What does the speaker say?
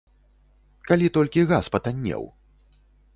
Калі толькі газ патаннеў!